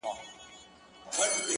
ستا دپښو سپين پايزيبونه زما بدن خوري؛